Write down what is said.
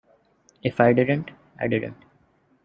If I didn't, I didn't.